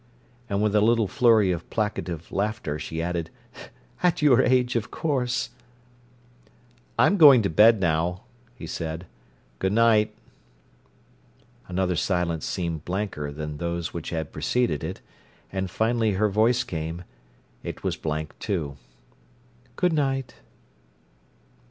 And with a little flurry of placative laughter, she added: "At your age, of course!" "I'm going to bed, now," he said. "Goodnight." Another silence seemed blanker than those which had preceded it, and finally her voice came—it was blank, too. "Good night."